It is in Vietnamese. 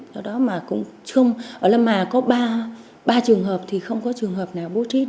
mà có ba trường hợp thì không có trường hợp nào bố trí được phó tịch xã